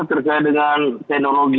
terkait dengan teknologi